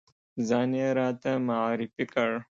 ځان یې راته معرفی کړ.